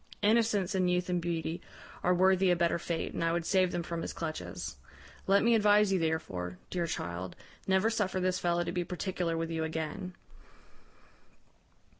Innocence and youth and beauty are worthy a better fate, and I would save them from his clutches. Let me advise you therefore, dear child, never suffer this fellow to be particular with you again.'